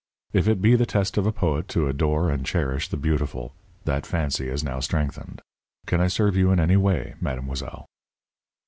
If it be the test of a poet to adore and cherish the beautiful, that fancy is now strengthened. Can I serve you in any way, mademoiselle?"